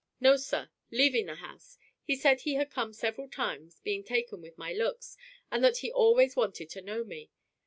"No, sir. Leaving the house. He said he had come several times, being taken with my looks, and that he always wanted to know me.